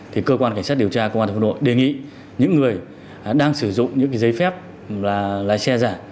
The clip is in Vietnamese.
thì cơ quan cảnh sát điều tra cơ quan phòng đội đề nghị những người đang sử dụng những giấy phép lái xe giả